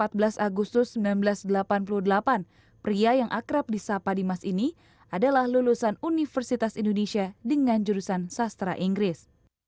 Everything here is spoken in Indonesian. pada empat belas agustus seribu sembilan ratus delapan puluh delapan pria yang akrab di sapa dimas ini adalah lulusan universitas indonesia dengan jurusan sastra inggris